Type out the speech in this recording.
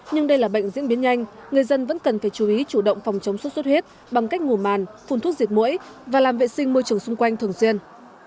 nhưng đây là bệnh diễn biến nhanh người dân vẫn cần phải chú ý chủ động phòng chống sốt xuất huyết bằng cách ngủ màn phun thuốc diệt mũi và làm vệ sinh môi trường xung quanh thường xuyên